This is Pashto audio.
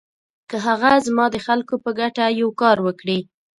که هغه زما د خلکو په ګټه یو کار وکړي.